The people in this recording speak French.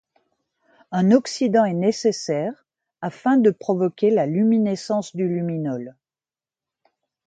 Un oxydant est nécessaire afin de provoquer la luminescence du luminol.